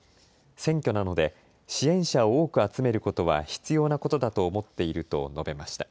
選挙なので支援者を多く集めることは必要なことだと思っていると述べました。